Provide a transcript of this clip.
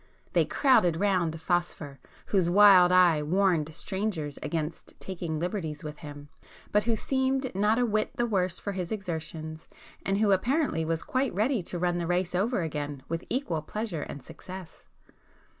They crowded round 'Phosphor,' whose wild eye warned strangers against taking liberties with him, but who seemed not a whit the worse for his exertions, and who apparently was quite ready to run the race over again with equal pleasure and success.